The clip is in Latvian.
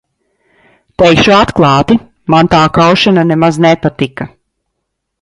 Teikšu atklāti, man tā kaušana nemaz nepatika.